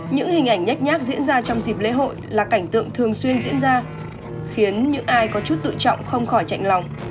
những hình ảnh nhách nhác diễn ra trong dịp lễ hội là cảnh tượng thường xuyên diễn ra khiến những ai có chút tự trọng không khỏi chạy lòng